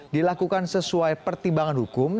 dilakukan sesuai pertimbangan hukum